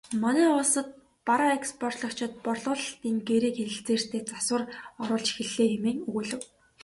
Манай улсад бараа экспортлогчид борлуулалтын гэрээ хэлэлцээртээ засвар оруулж эхэллээ хэмээн өгүүлэв.